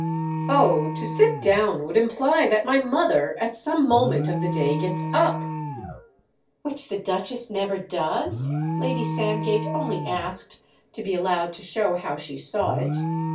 "Oh, to sit down would imply that my mother at some moment of the day gets up——!" "Which the Duchess never does?"—Lady Sand gate only asked to be allowed to show how she saw it.